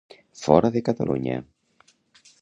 Fora de Catalunya.